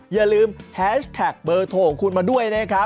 อย่าลืมแฮชแท็กเบอร์โทรของคุณมาด้วยนะครับ